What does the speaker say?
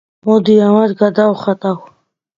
მოდი, ამათ გადავხატავ.